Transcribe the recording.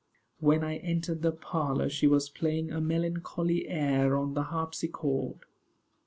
When I entered the parlor, she was playing a melancholy air on the harpsichord.